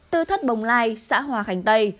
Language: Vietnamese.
từ thất bồng lai xã hòa khánh tây